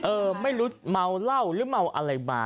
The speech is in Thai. ไม่รู้เมาเหล้าหรือเมาอะไรมา